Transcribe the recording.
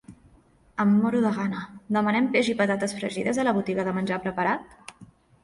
Em moro de gana. Demanem peix i patates fregides a la botiga de menjar preparat?